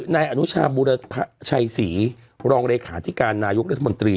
นายอนุชาบูรไศจ์พระชายศรีรองเลยชาติการนายกราศมนตรี